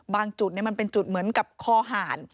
บางจุดนี่มันเป็นจุดเหมือนกับขอหาน